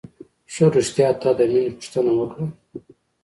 ښه رښتيا تا د مينې پوښتنه وکړه.